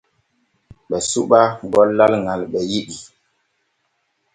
Ɓe suɓa gollal ŋal ɓe yiɗi.